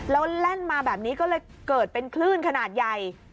แล้วแล่นมาแบบนี้ก็เลยเกิดเป็นคลื่นขนาดใหญ่